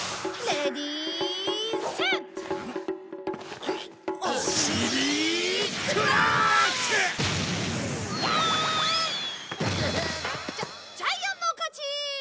ジャジャイアンの勝ち！